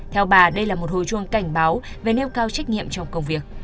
theo bà đây là một hồi chuông cảnh báo về nêu cao trách nhiệm trong công việc